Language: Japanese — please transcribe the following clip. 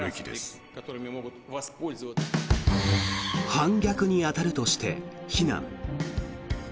反逆に当たるとして非難。